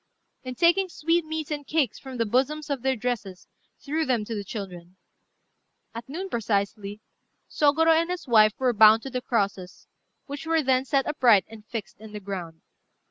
and taking sweetmeats and cakes from the bosoms of their dresses threw them to the children. At noon precisely Sôgorô and his wife were bound to the crosses, which were then set upright and fixed in the ground.